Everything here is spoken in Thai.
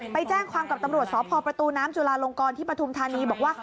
ไปแจ้งความกับตำรวจสพประตูน้ำจุลาลงกรที่ปฐุมธานีบอกว่า